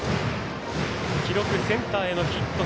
記録センターへのヒット。